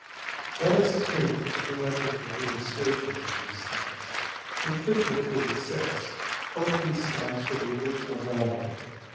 Let us take geometrical illustrations of these things. In \Fig, $OP$~stands for the original value.